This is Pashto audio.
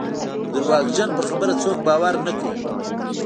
د درواغجن په خبره څوک باور نه کوي.